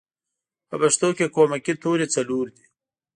په پښتو کې کومکی توری څلور دی